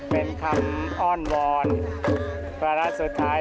เป็นคำอ้อนวอนวาระสุดท้าย